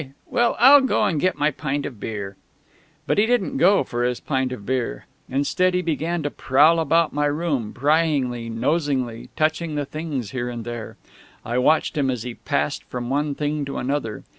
Well, I'll go and get my pint of beer " But he didn't go for his pint of beer. Instead, he began to prowl about my room, pryingly, nosingly, touching things here and there. I watched him as he passed from one thing to another.